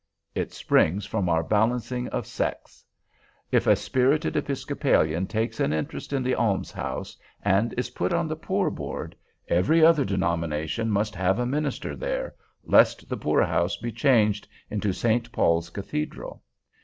It springs from our balancing of sects. If a spirited Episcopalian takes an interest in the almshouse, and is put on the Poor Board, every other denomination must have a minister there, lest the poorhouse be changed into St. Paul's Cathedral.